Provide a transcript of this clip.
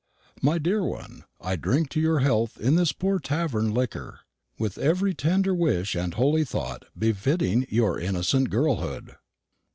My dear one, I drink your health in this poor tavern liquor, with every tender wish and holy thought befitting your innocent girlhood!